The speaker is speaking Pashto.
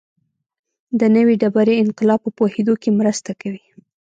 د نوې ډبرې انقلاب په پوهېدو کې مرسته کوي.